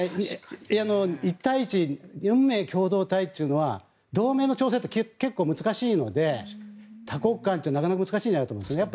１対１、運命共同体というのは同盟の調整って結構難しいので多国間はなかなか難しいと思いますね。